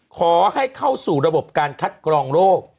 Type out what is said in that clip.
ขอให้เข้าสู่ระบบการคัดกรองโรค